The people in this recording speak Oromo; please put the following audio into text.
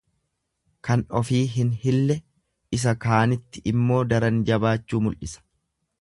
Kan ofii hin hille isa kaanitti immoo daran jabaachuu mul'isa.